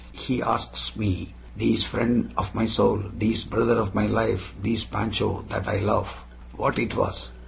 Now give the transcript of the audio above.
"He asks me thees friend of my soul, thees brother of my life, thees Pancho that I lofe what it was?